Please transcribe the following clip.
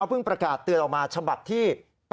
เพิ่งประกาศเตือนออกมาฉบับที่๘